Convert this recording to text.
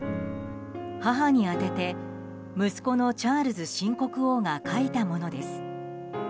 母に宛てて息子のチャールズ新国王が書いたものです。